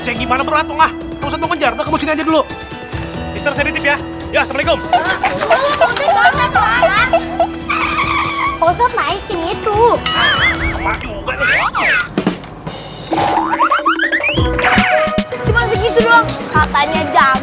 kemana peratung lah rusak mengejar ke sini aja dulu istirahat ya assalamualaikum